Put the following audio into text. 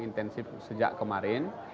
intensif sejak kemarin